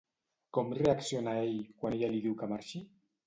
Com reacciona ell quan ella li diu que marxi?